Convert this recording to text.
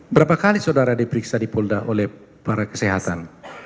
berapa kali saudara diperiksa di polda oleh para kesehatan